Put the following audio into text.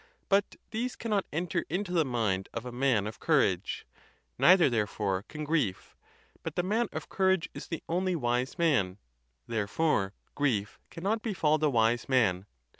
But these cannot enter into the mind of a man of courage; neither, therefore, can grief: but the man of courage is the only wise man; therefore grief cannot befall the wise man.